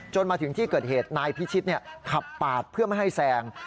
มาถึงที่เกิดเหตุนายพิชิตขับปาดเพื่อไม่ให้แซง